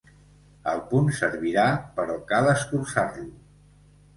El punt servirà però cal escurçar-lo.